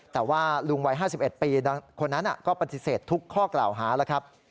แต่ว่าลุงวัย๕๑ปีคนนั้นก็ปฏิเสธทุกข้อกล่าวหาแล้วครับ